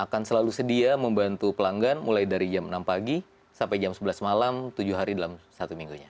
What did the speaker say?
dan selalu sedia membantu pelanggan mulai dari jam enam pagi sampai jam sebelas malam tujuh hari dalam satu minggunya